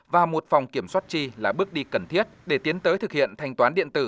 và một phòng kiểm soát chi là bước đi cần thiết để tiến tới thực hiện thanh toán điện tử